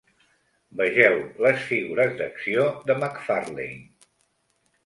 Vegeu les figures d'acció de McFarlane.